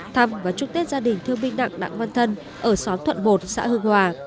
thăm và chúc tết gia đình thương minh nặng nặng văn thân ở xóm thuận một xã hương hòa